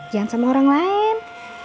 jangan sama orang lain